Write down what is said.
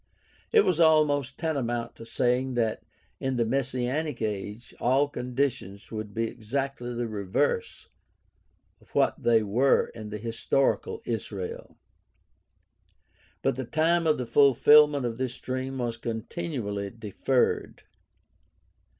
It was almost tantamount to saying that, in the messianic age, all conditions would be exactly the reverse of what they were in the historical Israel. But the time of the fulfilment of this dream was continually deferred.